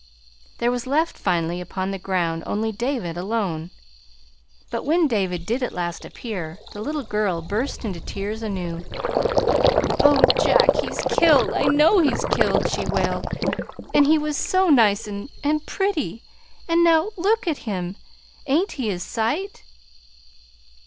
There was left finally upon the ground only David alone. But when David did at last appear, the little girl burst into tears anew. "Oh, Jack, he's killed I know he's killed," she wailed. "And he was so nice and and pretty. And now look at him! Ain't he a sight?"